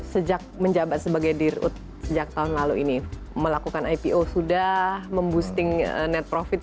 sejak menjabat sebagai dirut sejak tahun lalu ini melakukan ipo sudah memboosting net profit